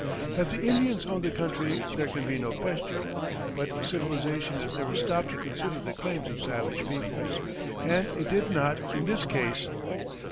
That the Indians owned the country there can be no question; but civilization has never stopped to consider the claims of savage peoples, and it did not in this case.